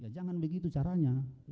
jangan begitu caranya